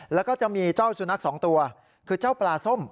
แล้วก็จะมีเจ้าสุนัขสองตัวคือเจ้าปลาส้ม